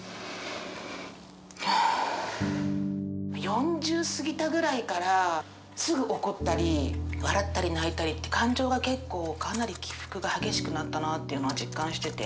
４０過ぎたぐらいからすぐ怒ったり笑ったり泣いたりって感情が結構かなり起伏が激しくなったなっていうのは実感してて。